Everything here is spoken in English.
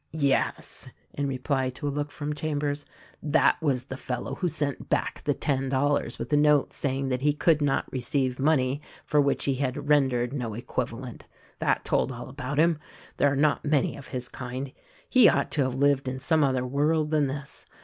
"Yes," in reply to a look from Chambers, "that was the fellow who sent back the ten dollars with a note saying that he could not receive money for which he had rendered no equivalent. That told all about him. There are not many of his kind. He ought to have lived in some other world than this.